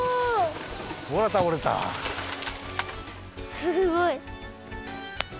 すごい。